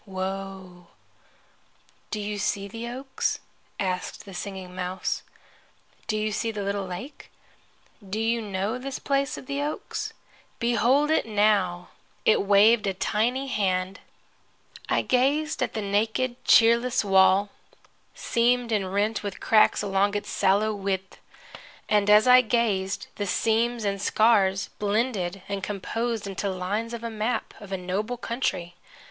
Woe.' "Do you see the oaks?" asked the Singing Mouse. "Do you see the little lake? Do you know this place of the oaks? Behold it now!" It waved a tiny hand. I gazed at the naked, cheerless wall, seamed and rent with cracks along its sallow width. And as I gazed the seams and scars blended and composed into the lines of a map of a noble country.